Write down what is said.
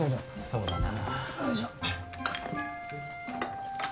そうだな。